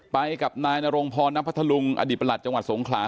ไปกับนายนรงพรณพัทธลุงอดีตประหลัดจังหวัดสงขลา